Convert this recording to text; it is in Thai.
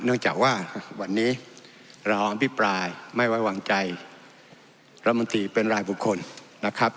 เนื่องจากว่าวันนี้เราอภิปรายไม่ไว้วางใจรัฐมนตรีเป็นรายบุคคลนะครับ